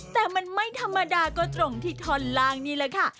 แต่มันไม่ธรรมดาก็ตรงที่ท่อนล่างนี่แหละค่ะ